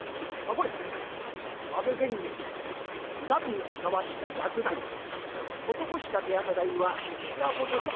これ阿部玄益なみに使わした薬代施した手当て代はいかほどじゃ？